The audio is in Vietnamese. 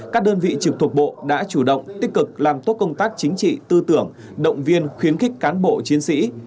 các đơn vị trực thuộc bộ đã chủ động tích cực làm tốt công tác chính trị tư tưởng động viên khuyến khích cán bộ chiến sĩ